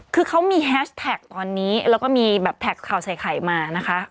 คือเขามีแฮชแท็กตอนนี้แล้วก็มีแบบแท็กข่าวใส่ไข่มานะคะ